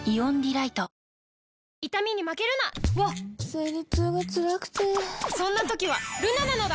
生理痛がつらくてそんな時はルナなのだ！